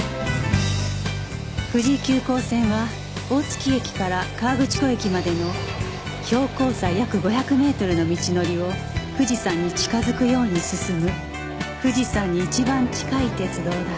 富士急行線は大月駅から河口湖駅までの標高差約５００メートルの道のりを富士山に近づくように進む富士山に一番近い鉄道だ